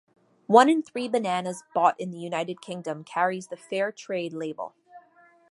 One in three bananas bought in the United Kingdom carries the Fairtrade label.